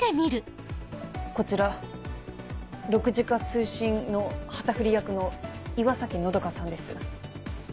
こちら６次化推進の旗振り役の岩崎和佳さんです。